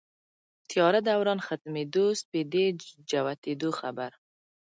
تیاره دوران ختمېدو سپېدې جوتېدو خبر